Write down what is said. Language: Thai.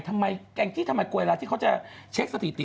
ทำไมแก่งที่ทำอยากเวลาเขาจะเช็คสถิติ